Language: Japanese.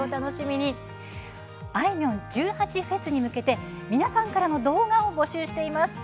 「あいみょん１８祭」に向けて、皆さんからの動画を募集しています。